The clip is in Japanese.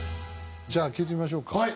じゃあ聴いてみましょうか。